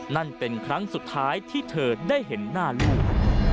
นั่นเป็นครั้งสุดท้ายที่เธอได้เห็นหน้าลูก